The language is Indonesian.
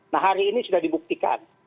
nah hari ini sudah dibuktikan